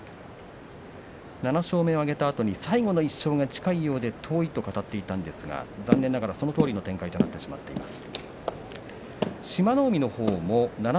７勝目を挙げたあとに最後の１勝は近いようで遠いと語っていたんですが残念ながらそのとおりの展開となってしまっています。